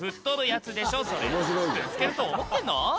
「ぶつけると思ってんの？」